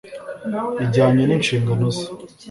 ijyanye nishingano ze .